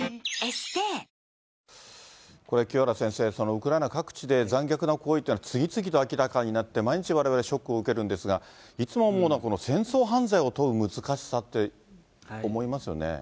ウクライナ各地で残虐な行為っていうのは、次々と明らかになって、毎日、われわれショックを受けるんですが、いつも思うのは、戦争犯罪を問う難しさって思いますよね。